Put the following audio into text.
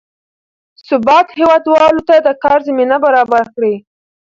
ثبات هېوادوالو ته د کار زمینه برابره کړې ده.